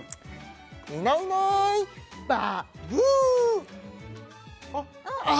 いないいないばあ！ブーあ！